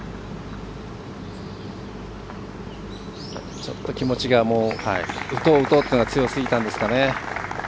ちょっと気持ちが打とう、打とうというのが強すぎたんですかね。